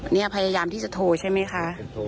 นี่พยายามที่จะโทรใช่ไหมคะ